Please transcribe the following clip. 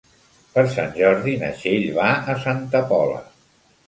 Per Sant Jordi na Txell va a Santa Pola.